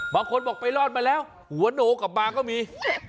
บางคนบอกไปรอดมาแล้วหัวโนกลับมาก็มี